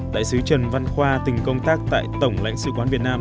đại sứ trần văn khoa từng công tác tại tổng lãnh sự quán việt nam